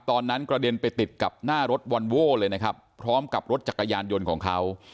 กระเด็นไปติดกับหน้ารถวอนโว้เลยนะครับพร้อมกับรถจักรยานยนต์ของเขา